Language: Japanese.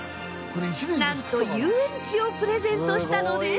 なんと遊園地をプレゼントしたのです！